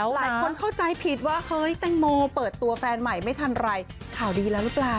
หลายคนเข้าใจผิดว่าเฮ้ยแตงโมเปิดตัวแฟนใหม่ไม่ทันไรข่าวดีแล้วหรือเปล่า